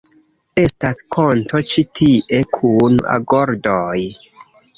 Estas konto ĉi tie kun agordoj